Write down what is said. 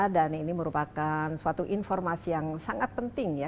dan ini merupakan suatu informasi yang sangat penting ya